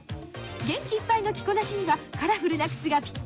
元気いっぱいの着こなしにはカラフルな靴がピッタリ。